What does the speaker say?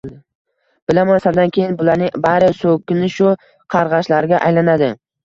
Bilaman, saldan keyin bularning bari so‘kinishu qarg‘anishlarga aylanadi